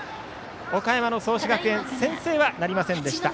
岡山の創志学園先制はなりませんでした。